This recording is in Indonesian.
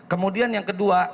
kemudian yang kedua